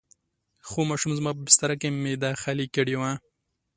خو ماشوم زما په بستره کې معده خالي کړې وه.